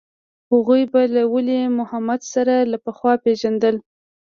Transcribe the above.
هغوى به له ولي محمد سره له پخوا پېژندل.